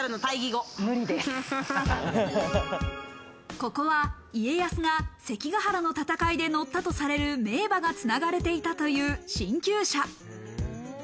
ここは家康が関ヶ原の戦いで乗ったされる名馬が繋がれていたという神厩舎。